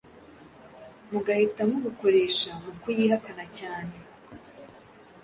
Mugahita Mubukoresha Mukuyihakana cyane